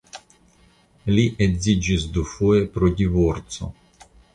Li edziĝis dufoje pro divorco.